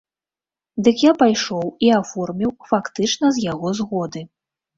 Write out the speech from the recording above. Дык я пайшоў і аформіў, фактычна з яго згоды.